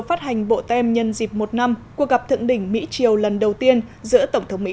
phát hành bộ tem nhân dịp một năm cuộc gặp thượng đỉnh mỹ triều lần đầu tiên giữa tổng thống mỹ